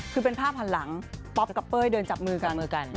คือเป็นภาพหันหลังป๊อปกับเป้ยเดินจับมือจับมือกัน